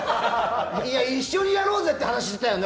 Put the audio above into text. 一緒にやろうぜっていう話をしてたよね。